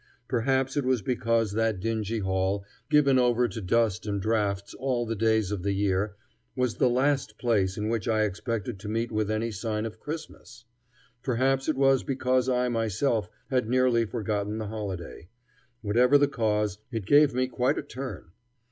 Perhaps it was because that dingy hall, given over to dust and drafts all the days of the year, was the last place in which I expected to meet with any sign of Christmas; perhaps it was because I myself had nearly forgotten the holiday. Whatever the cause, it gave me quite a turn.